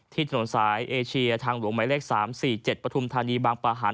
ถนนสายเอเชียทางหลวงหมายเลข๓๔๗ปฐุมธานีบางประหาร